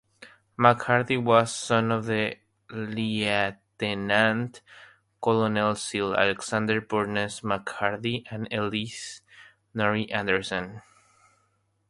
McHardy was the son of Lieutenant-Colonel Sir Alexander Burness McHardy and Elsie Norrie Anderson.